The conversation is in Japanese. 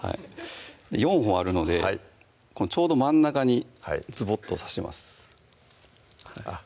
４本あるのでちょうど真ん中にズボッと刺しますあっ